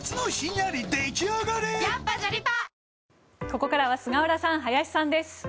ここからは菅原さん、林さんです。